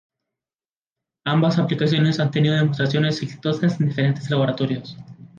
Ambas aplicaciones han tenido demostraciones exitosas en diferentes laboratorios.